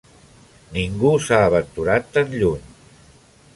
Ningú s'ha aventurat tan lluny.